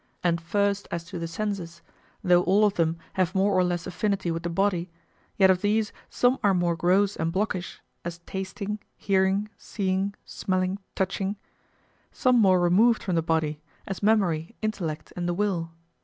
And first as to the senses, though all of them have more or less affinity with the body, yet of these some are more gross and blockish, as tasting, hearing, seeing, smelling, touching; some more removed from the body, as memory, intellect, and the will.